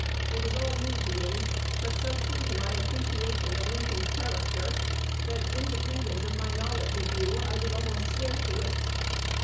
It is all new to me, but so true to my appreciation of Lincoln's character, that, independent of my knowledge of you, I would almost swear to it.